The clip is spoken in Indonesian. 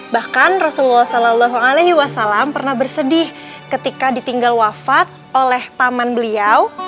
bahkan rasulullah saw pernah bersedih ketika ditinggal wafat oleh paman beliau